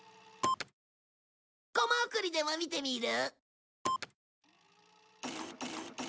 コマ送りでも見てみる？